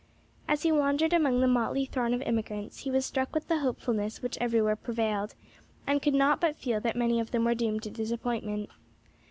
As he wandered among the motley throng of emigrants, he was struck with the hopefulness which everywhere prevailed, and could not but feel that many of them were doomed to disappointment.